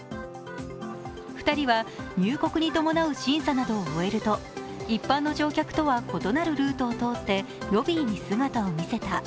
２人は入国に伴う審査などを終えると、一般の乗客とは異なるルートを通ってロビーに姿を見せた。